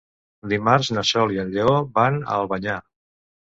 Dimarts na Sol i en Lleó van a Albanyà.